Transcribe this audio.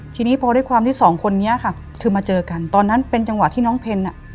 ทีนี้พอด้วยความที่สองคนนี้ค่ะคือมาเจอกันตอนนั้นเป็นจังหวะที่น้องเพนอ่ะ